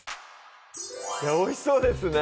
おいしそうですね